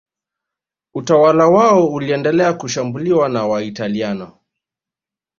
utawala wao uliendelea kushambuliwa na Waitaliano